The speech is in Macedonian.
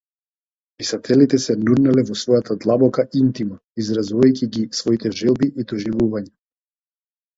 Писателите се нурнале во својата длабока интима, изразувајќи ги своите желби и доживувања.